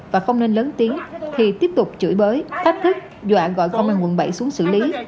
và không nên lớn tiếng thì tiếp tục chửi bới phát thức dọa gọi công an quận bảy xuống xử lý